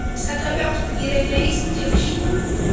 სათავე აქვს პირენეის მთებში.